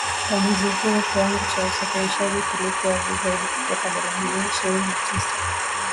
Kwa mwezi huo, kiwango cha usafirishaji kilikuwa juu zaidi kutoka dola milioni ishirini na tisa